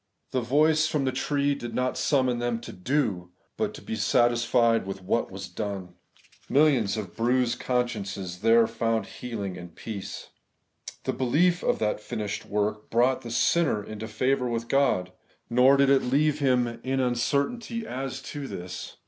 The voice from the tree did not summon them to do, but to be satisfied with what was done. Millions of bruised consciences there found healing and peace. The belief of that finished work brought the sinner into favour with God ; nor did it leave him iv Preface, in uncertainty as to this.